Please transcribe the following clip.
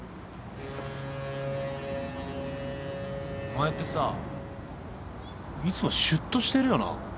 お前ってさいつもシュッとしてるよな。